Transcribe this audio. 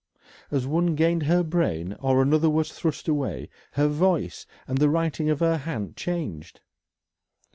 As one gained her brain or another was thrust away, her voice and the writing of her hand changed.